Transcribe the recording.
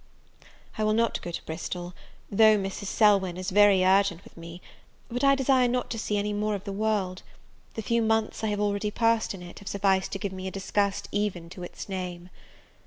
I will not go to Bristol, though Mrs. Selwyn is very urgent with me; but I desire not to see any more of the world! the few months I have already passed in it, have sufficed to give me a disgust even to its name.